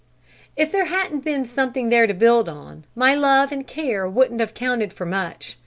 "If there hadn't been something there to build on, my love and care wouldn't have counted for much.